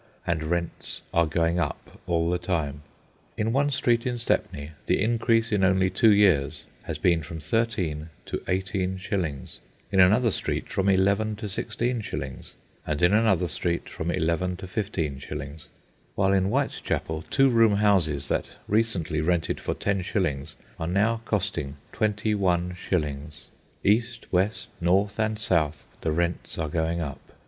And rents are going up all the time. In one street in Stepney the increase in only two years has been from thirteen to eighteen shillings; in another street from eleven to sixteen shillings; and in another street, from eleven to fifteen shillings; while in Whitechapel, two room houses that recently rented for ten shillings are now costing twenty one shillings. East, west, north, and south the rents are going up.